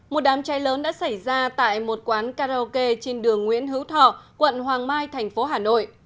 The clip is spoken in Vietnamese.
một đám cháy lớn đã xảy ra tại một quán karaoke trên đường nguyễn hữu thọ quận hoàng mai thành phố hà nội